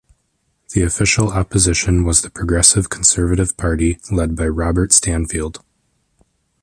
The Official Opposition was the Progressive Conservative Party led by Robert Stanfield.